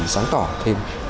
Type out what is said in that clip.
sáng tỏ thêm